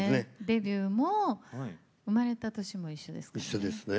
デビューも生まれた年も一緒ですね。